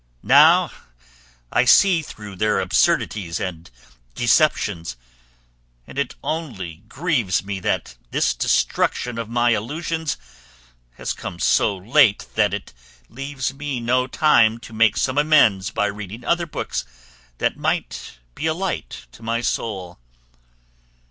Now I see through their absurdities and deceptions, and it only grieves me that this destruction of my illusions has come so late that it leaves me no time to make some amends by reading other books that might be a light to my soul.